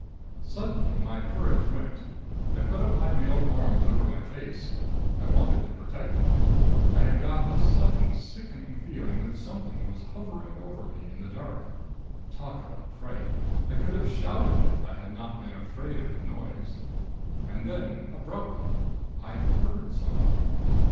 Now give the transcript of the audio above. "Suddenly my courage went. I put up my mailed arms over my face. I wanted to protect it. I had got a sudden sickening feeling that something was hovering over me in the dark. Talk about fright! I could have shouted if I had not been afraid of the noise.... And then, abruptly, I heard something.